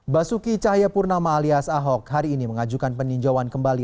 basuki cahayapurnama alias ahok hari ini mengajukan peninjauan kembali